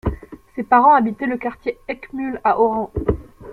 Ses parents habitaient le quartier Eckmühl à Oran.